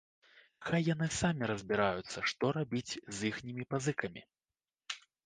Хай яны самі разбіраюцца, што рабіць з іхнімі пазыкамі.